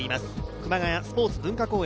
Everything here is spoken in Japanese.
熊谷スポーツ文化公園